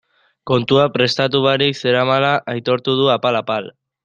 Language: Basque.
Kontua prestatu barik zeramala aitortu du apal-apal.